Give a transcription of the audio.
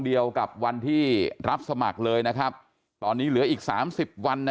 เดียวกับวันที่รับสมัครเลยนะครับตอนนี้เหลืออีกสามสิบวันนะ